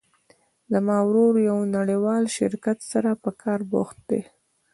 زما ورور د یو نړیوال شرکت سره په کار بوخت ده